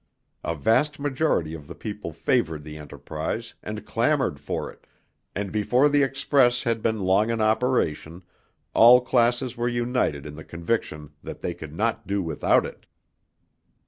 A vast majority of the people favored the enterprise and clamored for it; and before the express had been long in operation, all classes were united in the conviction that they could not do without it.